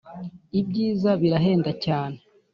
i byiza birahenda cyane